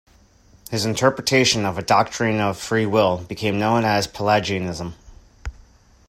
His interpretation of a doctrine of free will became known as Pelagianism.